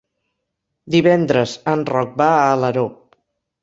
Divendres en Roc va a Alaró.